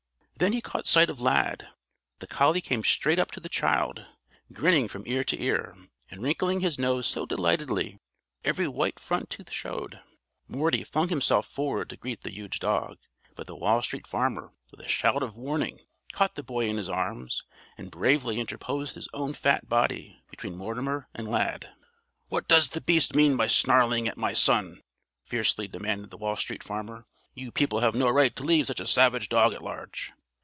Then he caught sight of Lad. The collie came straight up to the child, grinning from ear to ear, and wrinkling his nose so delightedly that every white front tooth showed. Morty flung himself forward to greet the huge dog, but the Wall Street Farmer, with a shout of warning, caught the boy in his arms and bravely interposed his own fat body between Mortimer and Lad. "What does the beast mean by snarling at my son?" fiercely demanded the Wall Street Farmer. "You people have no right to leave such a savage dog at large."